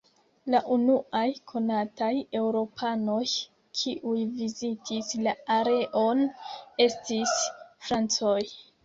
La unuaj konataj eŭropanoj kiuj vizitis la areon estis francoj.